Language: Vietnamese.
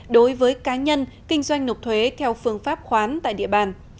đối với cá nhân kinh doanh nộp thuế theo phương pháp khoán tại địa bàn